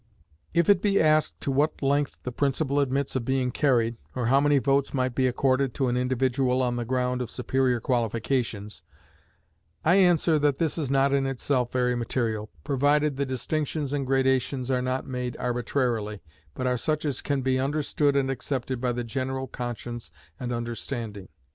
If it be asked to what length the principle admits of being carried, or how many votes might be accorded to an individual on the ground of superior qualifications, I answer, that this is not in itself very material, provided the distinctions and gradations are not made arbitrarily, but are such as can be understood and accepted by the general conscience and understanding.